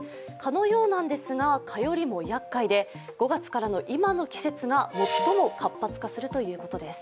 蚊のようなんですが、蚊よりもやっかいで５月からの今の季節が最も活発化するということです。